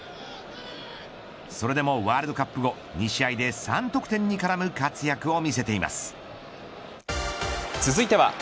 それでもワールドカップ後２試合で３得点に絡む活躍を見せています。